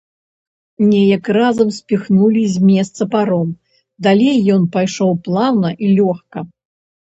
Неяк разам спіхнулі з месца паром, далей ён пайшоў плаўна і лёгка.